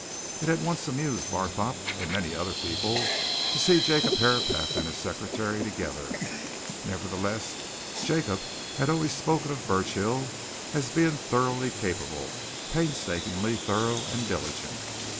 It had once amused Barthorpe and many other people to see Jacob Herapath and his secretary together; nevertheless, Jacob had always spoken of Burchill as being thoroughly capable, painstaking, thorough and diligent.